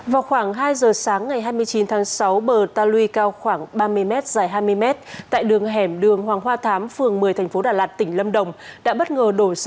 vào khoảng hai h sáng ngày hai mươi chín tháng sáu bờ ta lui cao khoảng ba mươi m dài hai mươi m tại đường hẻm đường hoàng hoa thám phường một mươi thành phố đà lạt tỉnh lâm đồng